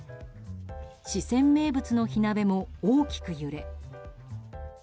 四川名物の火鍋も大きく揺れ。